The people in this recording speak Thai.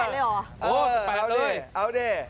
๑๘เลยหรอ